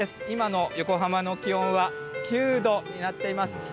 今の横浜の気温は９度になっています。